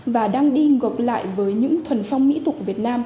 và đang đi ngược lại với những thuần phong mỹ tục việt nam